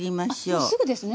あっすぐですね